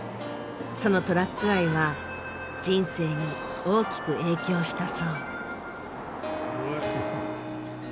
そのトラック愛は人生に大きく影響したそう。